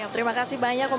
terima kasih banyak